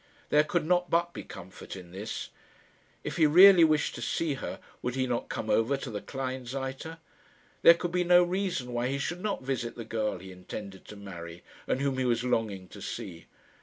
There could not but be comfort in this. If he really wished to see her, would he not come over to the Kleinseite? There could be no reason why he should not visit the girl he intended to marry, and whom he was longing to see.